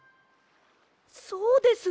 そうです。